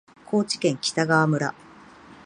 高知県北川村